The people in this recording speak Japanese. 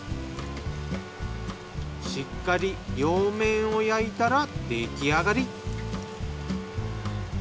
しっかり両面を焼いたら出来上がり。